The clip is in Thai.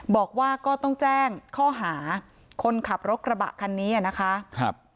บอกว่าก็ต้องแจ้งข้อหาคนขับรถกระบะคันนี้นะคะ